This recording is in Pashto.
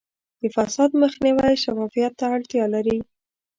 د فساد مخنیوی شفافیت ته اړتیا لري.